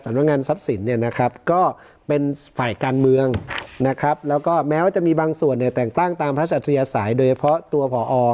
งานทรัพย์สินเนี่ยนะครับก็เป็นฝ่ายการเมืองนะครับแล้วก็แม้ว่าจะมีบางส่วนเนี่ยแต่งตั้งตามพระสัทยาศัยโดยเฉพาะตัวผอ